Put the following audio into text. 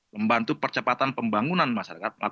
membantu percepatan pembangunan masyarakat